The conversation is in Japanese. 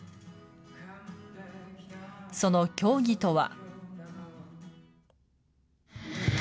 その競技とは。